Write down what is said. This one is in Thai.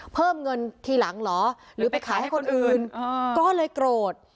เพิ่มเงินทีหลังเหรอหรือไปขายให้คนอื่นก็เลยโกรธ